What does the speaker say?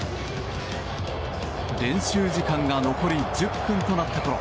練習時間が残り１０分となったころ